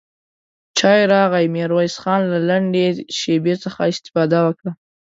چای راغی، ميرويس خان له لنډې شيبې څخه استفاده وکړه.